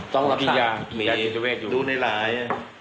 ต้องรับศัพท์ดูในหลาย